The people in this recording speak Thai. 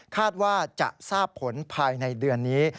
คาดว่าจะทราบผลภายในเดือนนี้